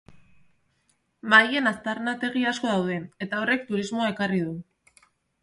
Maien aztarnategi asko daude, eta horrek turismoa erakarri du.